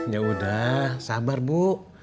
yaudah sabar bu